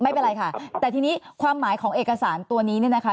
ไม่เป็นไรค่ะแต่ทีนี้ความหมายของเอกสารตัวนี้เนี่ยนะคะ